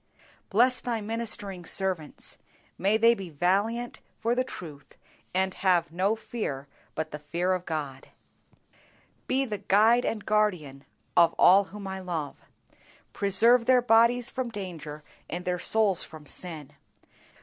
Bless Thy ministering servants; may they be valiant for the truth, and have no fear but the fear of God. Be the Guide and Guardian of all whom I love. Preserve their bodies from danger and their souls from sin.